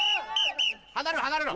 離れろ離れろ。